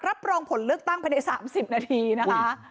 รับรองผลเลือกตั้งภายใน๓๐นาทีนะคะ